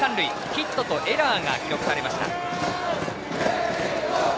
ヒットとエラーが記録されました。